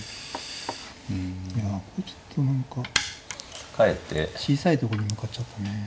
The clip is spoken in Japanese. いやここちょっと何か小さいとこに向かっちゃったね。